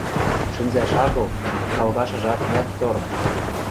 Шӹнзӓш агыл, шалгашыжат вӓк тор.